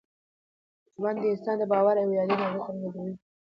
ژوند د انسان د باور او ارادې اندازه څرګندوي.